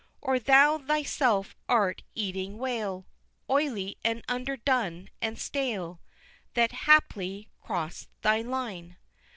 Or thou thyself art eating whale, Oily, and underdone, and stale, That, haply, cross'd thy line!